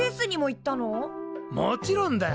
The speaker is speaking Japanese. もちろんだ。